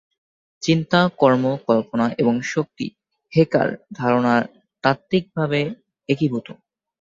চিন্তা, কর্ম, কল্পনা এবং শক্তি "হেকা"র ধারণায় তাত্ত্বিকভাবে একীভূত।